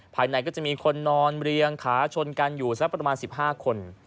ภายในก็จะมีคนนอนเรียงขาชนกันอยู่สักประมาณ๑๕คน